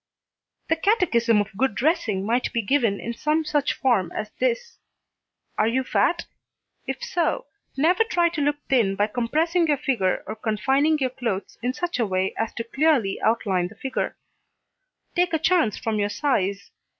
The catechism of good dressing might be given in some such form as this: Are you fat? If so, never try to look thin by compressing your figure or confining your clothes in such a way as to clearly outline the figure. Take a chance from your size.